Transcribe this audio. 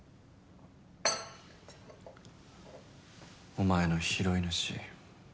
お前の拾い主